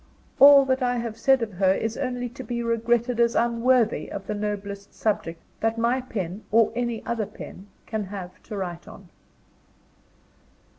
all that I have said of her is only to be regretted as unworthy of the noblest subject that my pen, or any other pen, can have to write on.